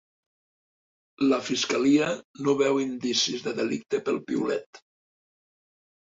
La fiscalia no veu indicis de delicte pel piulet